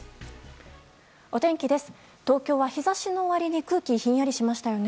お天気です。